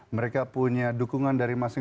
mereka punya dukungan dari masing masing